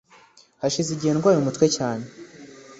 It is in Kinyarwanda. hashize igihe ndwaye umutwe cyane